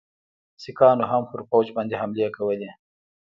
سیکهانو هم پر پوځ باندي حملې کولې.